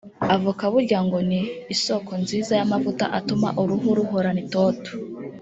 Avoka burya ngo ni isoko nziza y’amavuta atuma uruhu ruhorana itoto